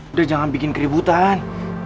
udah jangan bikin keributan